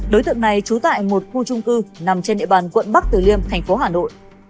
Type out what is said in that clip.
đối tượng này trú tại một khu trung cư nằm trên địa bàn quận bắc tử liêm thành phố hà nội